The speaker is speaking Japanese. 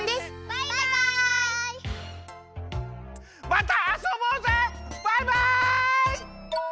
バイバイ！